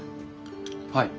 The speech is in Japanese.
はい。